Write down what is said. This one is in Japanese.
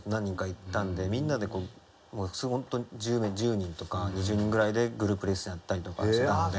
みんなでホント１０人とか２０人ぐらいでグループレッスンやったりとかしてたので。